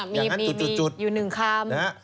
อย่างนั้นจุดอยู่หนึ่งคำ